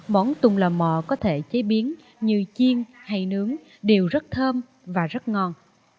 món tung lò mò có thể chế biến như chiên hay nướng đều rất thơm và rất ngon